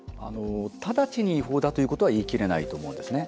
ただちに違法だということは言い切れないと思うんですね。